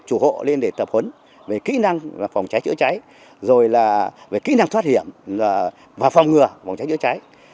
chủ hộ lên để tập huấn về kỹ năng phòng cháy chữa cháy rồi là về kỹ năng thoát hiểm và phòng ngừa phòng cháy chữa cháy